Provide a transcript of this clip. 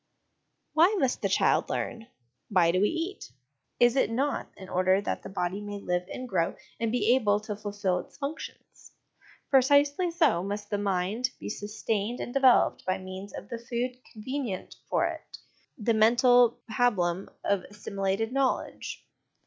Why must the child learn ? Why do we eat? Is it not in order that the body may live and grow and be able to fulfil its functions ? Precisely so must the mind be sustained and developed by means of the food convenient for it, the mental pabulum of assimilated knowledge.